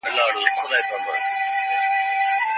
ماشوم د انا په غوسه کې هم یوه مینه لیدله.